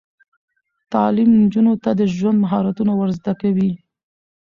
تعلیم نجونو ته د ژوند مهارتونه ور زده کوي.